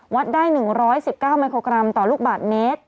วัดได้๑๑๙มิโครกรัมต่อลูกบาทเมตร